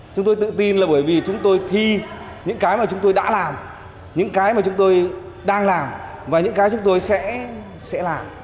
chúng tôi tự tin là bởi vì chúng tôi thi những cái mà chúng tôi đã làm những cái mà chúng tôi đang làm và những cái chúng tôi sẽ làm